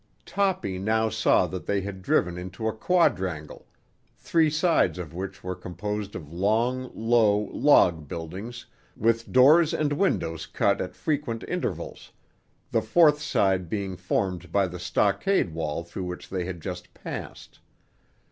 Toppy now saw that they had driven into a quadrangle, three sides of which were composed of long, low, log buildings with doors and windows cut at frequent intervals, the fourth side being formed by the stockade wall through which they had just passed.